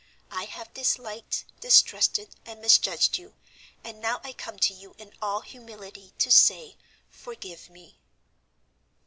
I have disliked, distrusted, and misjudged you, and now I come to you in all humility to say forgive me."